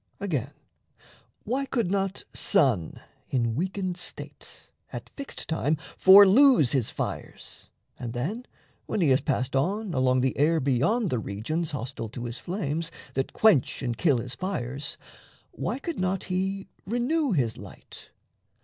Again, why could not sun, in weakened state, At fixed time for lose his fires, and then, When he has passed on along the air Beyond the regions, hostile to his flames, That quench and kill his fires, why could not he Renew his light?